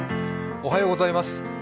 おはようございます。